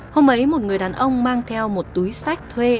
hôm ấy một người đàn ông mang theo một túi sách thuê